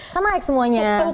kan naik semuanya